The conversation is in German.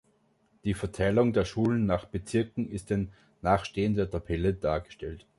Die Verteilung der Schulen nach Bezirk ist in nachstehender Tabelle dargestellt.